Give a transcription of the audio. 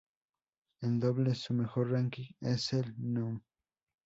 En dobles, su mejor ranking es el Núm.